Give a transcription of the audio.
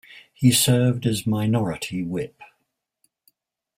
He served as Minority Whip.